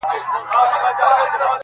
انارکلي اوښکي دي مه تویوه-